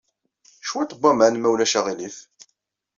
Cwiṭ n waman, ma ulac aɣilif.